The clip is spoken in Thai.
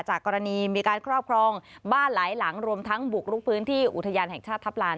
กรณีมีการครอบครองบ้านหลายหลังรวมทั้งบุกลุกพื้นที่อุทยานแห่งชาติทัพลาน